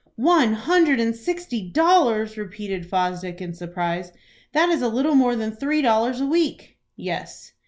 "One hundred and sixty dollars!" repeated Fosdick, in surprise. "That is a little more than three dollars a week." "Yes."